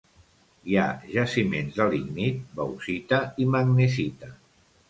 Hi ha jaciments de lignit, bauxita i magnesita.